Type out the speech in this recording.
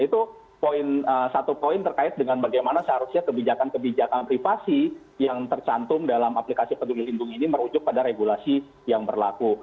itu satu poin terkait dengan bagaimana seharusnya kebijakan kebijakan privasi yang tercantum dalam aplikasi peduli lindung ini merujuk pada regulasi yang berlaku